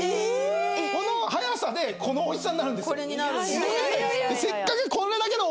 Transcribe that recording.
この早さでこのおいしさになるんですよ。